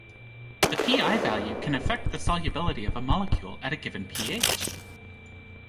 The pI value can affect the solubility of a molecule at a given pH.